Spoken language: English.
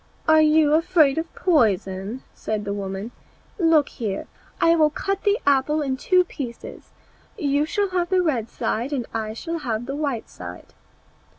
"Are you afraid of poison?" said the woman, "look here, I will cut the apple in two pieces; you shall have the red side, I will have the white one."